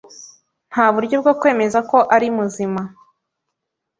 Nta buryo bwo kwemeza ko ari muzima